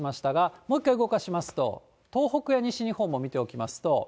もう一回動かしますと、東北や西日本も見ておきますと。